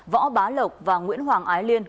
võ bá lộc và nguyễn hoàng ái liên